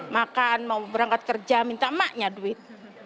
makan mau berangkat kerja minta emaknya duit